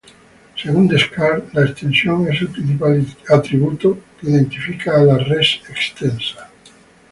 Según Descartes, la extensión es el principal atributo que identifica a la "res extensa".